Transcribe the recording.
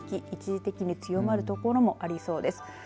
一時的に強まる所もありそうです。